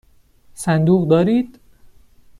صندوق دارید؟